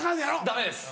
ダメです！